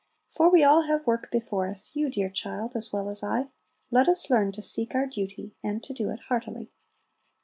For we all have work before us, You, dear child, as well as I; Let us learn to seek our duty, And to 'do it heartily.'